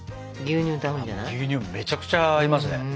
牛乳めっちゃくちゃ合いますね。